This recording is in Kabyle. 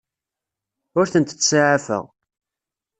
Ur tent-ttsaɛafeɣ.